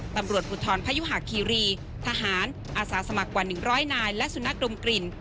ตำรวจบุธรพยุหะคีรีทหารอาศาสมัครวัล๑๐๙และสุนัขดมกลิ่น